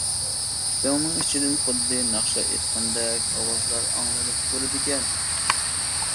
دۆڭنىڭ ئىچىدىن خۇددى ناخشا ئېيتقاندەك ئاۋازلار ئاڭلىنىپ تۇرىدىكەن.